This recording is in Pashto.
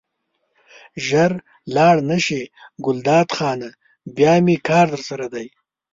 ژر لاړ نه شې ګلداد خانه بیا مې کار درسره دی.